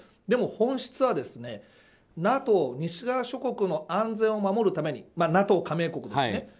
でも、本質はＮＡＴＯ、西側諸国の安全を守るためにＮＡＴＯ加盟国ですね。